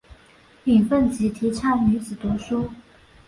尹奉吉提倡女子读书。